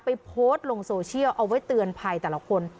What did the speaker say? ไปโพสต์ลงโซเชียลเอาไว้เตือนภัยแต่ละคน